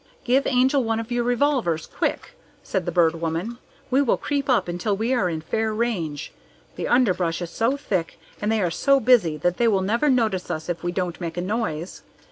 "Give Angel one of your revolvers, quick!" said the Bird Woman. "We will creep up until we are in fair range. The underbrush is so thick and they are so busy that they will never notice us, if we don't make a noise.